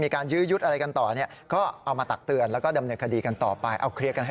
คนเสื้อดำแขนยาวนี่คือคนเสื้อสีน้ำเหมือนนะ